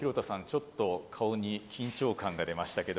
ちょっと顔に緊張感が出ましたけども。